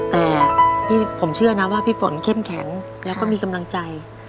แต่พี่ผมเชื่อนะว่าพี่ฝนเข้มแข็งแล้วก็มีกำลังใจ